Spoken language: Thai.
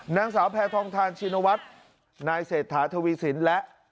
นางสาวแพทองทานชินวัฒน์นายเศรษฐาทวีสินและ